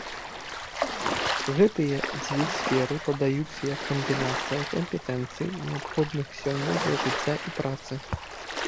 Гэтыя дзве сферы падаюцца як камбінацыя кампетэнцый, неабходных сёння для жыцця і працы.